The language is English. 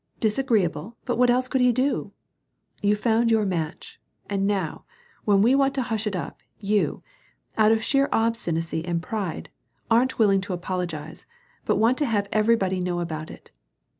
Disagreeable, but what else could he do ? You found your match. And now, when we want to hush it up, you — out of sheer obstinacy and pride — aren't willing to apologize, but want to have everybody know about it.